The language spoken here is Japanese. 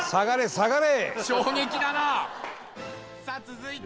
下がれ！